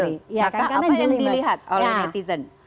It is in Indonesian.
apakah apa yang dilihat oleh netizen